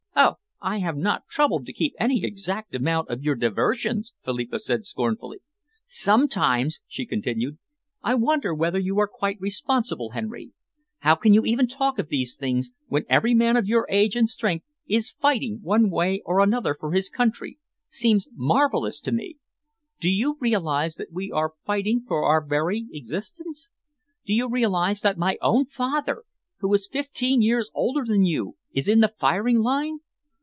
"Oh, I have not troubled to keep any exact account of your diversions!" Philippa said scornfully. "Sometimes," she continued, "I wonder whether you are quite responsible, Henry. How you can even talk of these things when every man of your age and strength is fighting one way or another for his country, seems marvellous to me. Do you realise that we are fighting for our very existence? Do you realise that my own father, who is fifteen years older than you, is in the firing line?